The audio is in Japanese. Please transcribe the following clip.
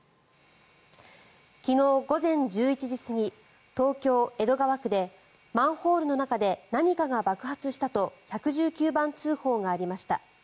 昨日午前１１時過ぎ東京・江戸川区でマンホールの中で何かが爆発したと１１９番通報がありました。